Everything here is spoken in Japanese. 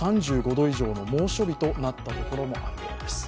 ３５度以上の猛暑日となった所もあるようです。